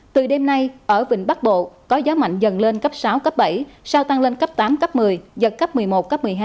từ đêm nay ở vịnh bắc bộ có gió mạnh dần lên cấp sáu cấp bảy sau tăng lên cấp tám cấp một mươi giật cấp một mươi một cấp một mươi hai